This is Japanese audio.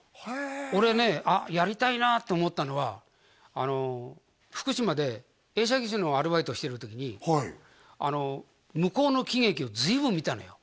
俺ね「あっやりたいな」と思ったのは福島で映写技師のアルバイトをしてる時に向こうの喜劇を随分見たのよ